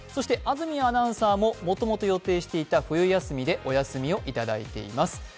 安住アナウンサーももともと予定していた冬休みでお休みをいただいています。